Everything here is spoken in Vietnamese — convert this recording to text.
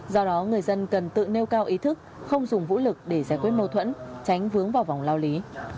do đó người dân cần tự nêu cao ý thức không dùng vũ lực để giải quyết mâu thuẫn tránh vướng vào vòng lao lý